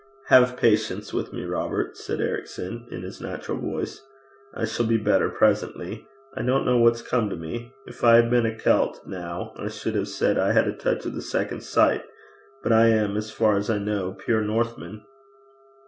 'Have patience with me, Robert,' said Ericson, in his natural voice. 'I shall be better presently. I don't know what's come to me. If I had been a Celt now, I should have said I had a touch of the second sight. But I am, as far as I know, pure Northman.'